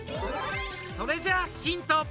それじゃヒント！